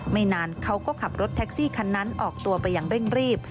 ไม่นานเขาก็ขับรถแท็กซี่คันนั้นออกตัวไปอย่างเร่งรีบ